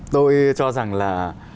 tôi cho rằng là